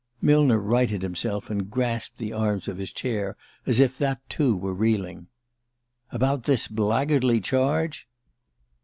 Millner righted himself, and grasped the arms of his chair as if that too were reeling. "About this blackguardly charge?"